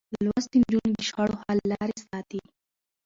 لوستې نجونې د شخړو حل لارې ساتي.